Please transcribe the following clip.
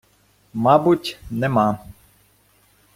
- Мабуть, нема...